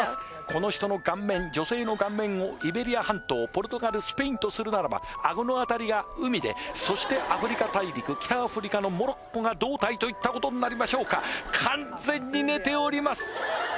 この人の顔面女性の顔面をイベリア半島ポルトガルスペインとするならば顎の辺りが海でそしてアフリカ大陸北アフリカのモロッコが胴体といったことになりましょうか完全に寝ております！